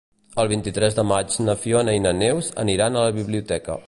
El vint-i-tres de maig na Fiona i na Neus aniran a la biblioteca.